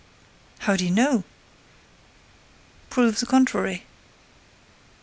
"How do you know?" "Prove the contrary."